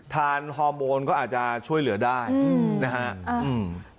ฮอร์โมนก็อาจจะช่วยเหลือได้นะฮะ